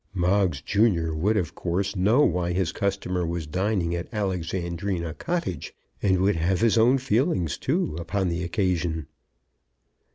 Moggs junior would of course know why his customer was dining at Alexandrina Cottage, and would have his own feelings, too, upon the occasion.